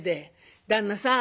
「旦那さん